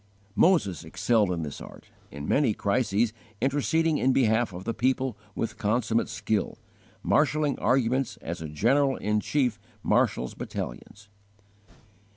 Moses excelled in this art, in many crises interceding in behalf of the people with consummate skill, marshalling arguments as a general in chief marshals battalions.